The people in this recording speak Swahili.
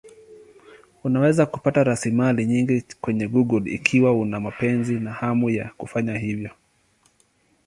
Unaweza kupata rasilimali nyingi kwenye Google ikiwa una mapenzi na hamu ya kufanya hivyo.